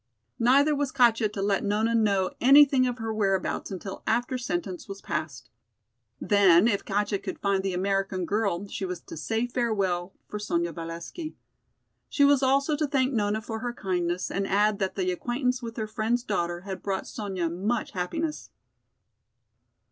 Neither was Katja to let Nona know anything of her whereabouts until after sentence was passed. Then if Katja could find the American girl she was to say farewell for Sonya Valesky. She was also to thank Nona for her kindness and add that the acquaintance with her friend's daughter had brought Sonya much happiness.